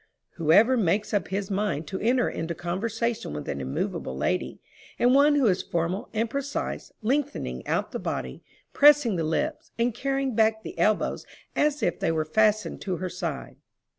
Who ever makes up his mind to enter into conversation with an immovable lady, and one who is formal and precise, lengthening out the body, pressing the lips, and carrying back the elbows as if they were fastened to her side?